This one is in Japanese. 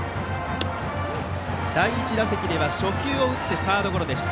第１打席では初球を打ってサードゴロでした。